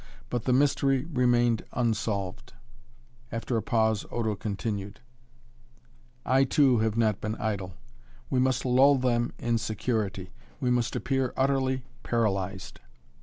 But the mystery remained unsolved." After a pause Odo continued: "I, too, have not been idle. We must lull them in security! We must appear utterly paralyzed.